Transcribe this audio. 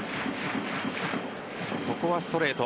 ここはストレート。